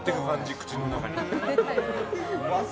口の中に。